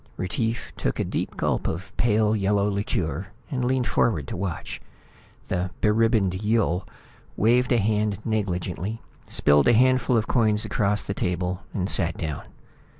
Retief took a deep gulp of a pale yellow liqueur and leaned forward to watch. The beribboned Yill waved a hand negligently, spilled a handful of coins across the table and sat down.